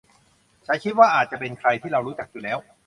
ฉันคิดว่าอาจจะเป็นใครที่เรารู้จักอยู่แล้ว